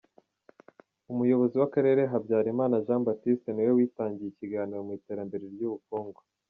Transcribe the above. Umuyobozi w’akarere Habyarimana Jean Baptiste ni we witangiye ikiganiro ku Iterambere ry’ubukungu.